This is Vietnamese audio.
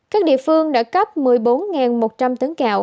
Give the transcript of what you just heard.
các địa phương đã cấp một mươi bốn một trăm linh tấn gạo